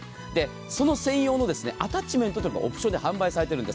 その専用のアタッチメントがオプションで販売されているんです。